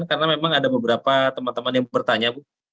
karena memang ada beberapa teman teman yang bertanya